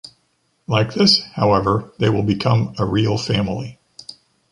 Like this, however, they will become a real family.